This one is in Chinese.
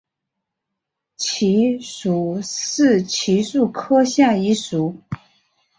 漆属是漆树科下一属。